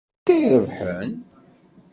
Anta i irebḥen?